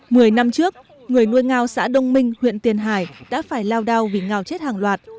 mười năm trước người nuôi ngao xã đông minh huyện tiền hải đã phải lao đao vì ngao chết hàng loạt